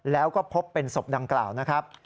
แล้วก็พบเป็นศพดังกล่าวนะครับ